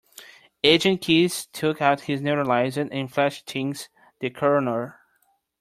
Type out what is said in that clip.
Agent Keys took out his neuralizer and flashy-thinged the coroner.